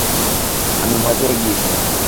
আমি ভয় পেয়ে গেছিলাম!